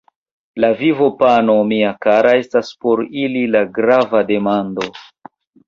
La vivopano, mia kara, estas por ili la grava demando.